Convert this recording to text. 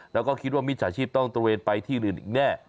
แล้วก็คิดว่ามิจฉาชีพต้องตระเวนไปที่อื่นอีกแน่